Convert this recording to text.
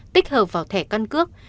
tích hợp vào thẻ căn cước